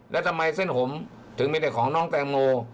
แล้วทำไมเส้นผมถึงมีแต่ของน้องแตงโม